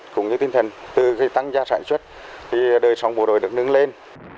cũng như tinh thần từ khi tăng gia sản xuất đời sống bộ đội được nâng lên